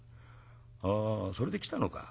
「ああそれで来たのか。